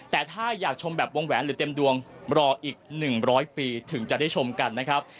แต่ถ้าอยากชมแบบวงแหวนหรือเต็มดวงรออีก๑๐๐ปีถึงจะได้ชมกันนะครับ